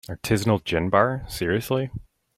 Artisanal gin bar, seriously?!